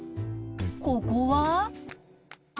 ここは？